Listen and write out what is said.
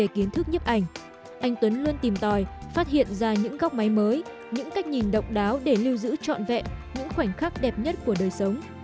giữ trọn vẹn những khoảnh khắc đẹp nhất của đời sống